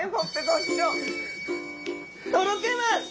とろけますよね！